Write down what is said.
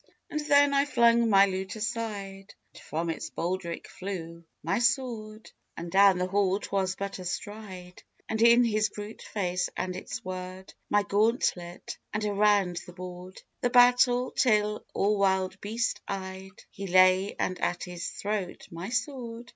And then I flung my lute aside; And from its baldric flew my sword; And down the hall 'twas but a stride; And in his brute face and its word My gauntlet; and around the board The battle, till all wild beast eyed He lay and at his throat my sword.